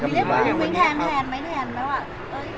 ตัวหมู่อ้วนอะไรอย่างนี้